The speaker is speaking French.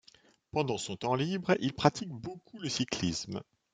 Pendant son temps libre, il pratique beaucoup le cyclisme.